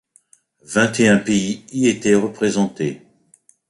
Vingt et un pays y étaient représentés.